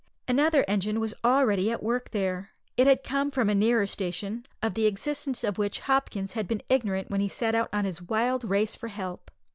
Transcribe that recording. Another engine was already at work there. It had come from a nearer station, of the existence of which Hopkins had been ignorant when he set out on his wild race for help.